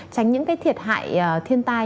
tránh những cái thiệt hại thiên tai